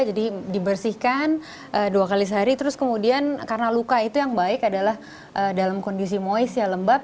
jadi dibersihkan dua kali sehari terus kemudian karena luka itu yang baik adalah dalam kondisi moist lembab